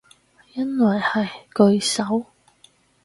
因為喺句首